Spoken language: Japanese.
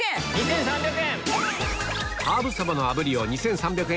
３００円！